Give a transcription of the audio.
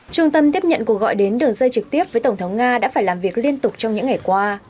trung tâm tiếp nhận cuộc gọi đến đường dây trực tiếp với tổng thống nga đã phải làm việc liên tục trong những ngày qua